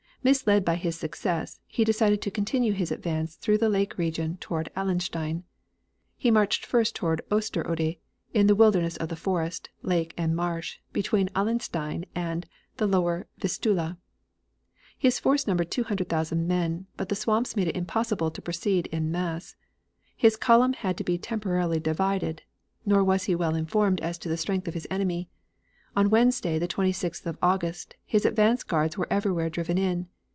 Misled by his success, he decided to continue his advance through the lake region toward Allenstein. He marched first toward Osterode, in the wilderness of forest, lake and marsh, between Allenstein and the Lower Vistula. His force numbered 200,000 men, but the swamps made it impossible to proceed in mass. His column had to be temporarily divided, nor was he well informed as to the strength of his enemy. On Wednesday, the 26th of August, his advance guards were everywhere driven in.